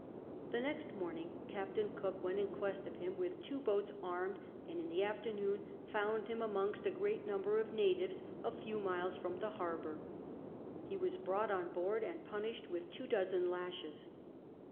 The next morning Captfiin Cook went in (picst of him with two boats armed, and in the afternoon found him amongst a great iiumlier of the natives, a few miles from the luirbour. He was brought on board and punished with two dozen laslies.